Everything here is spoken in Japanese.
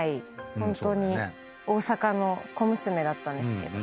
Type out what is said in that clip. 大阪の小娘だったんですけど。